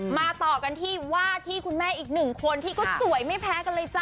ต่อกันที่ว่าที่คุณแม่อีกหนึ่งคนที่ก็สวยไม่แพ้กันเลยจ้